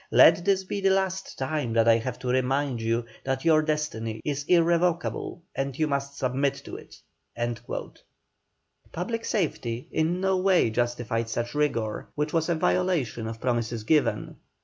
Let this be the last time that I have to remind you that your destiny is irrevocable and you must submit to it." Public safety in no way justified such rigour, which was a violation of promises given.